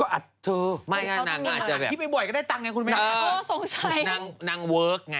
นางอาจจะแบบ